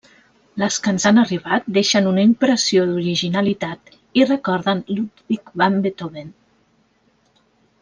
Les que ens han arribat deixen una impressió d'originalitat i recorden Ludwig van Beethoven.